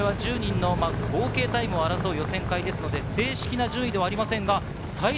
これは１０人の合計タイムを争う予選会ですので、正式な順位ではありません。